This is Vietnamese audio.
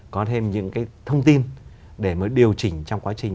có thêm những cái thông tin để mới điều chỉnh trong quá trình